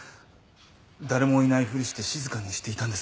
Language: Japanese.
誰もいないふりして静かにしていたんですが。